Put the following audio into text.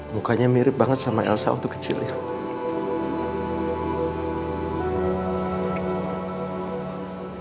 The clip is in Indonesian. mukanya mirip banget sama elsa waktu kecilnya